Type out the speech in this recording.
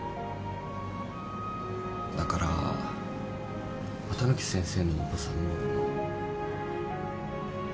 だから綿貫先生のお子さんも。